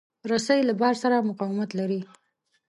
رسۍ له بار سره مقاومت لري.